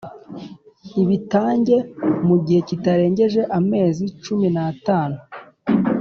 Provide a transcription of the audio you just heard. Ubitange mu gihe kitarengeje amezi cumi n’atanu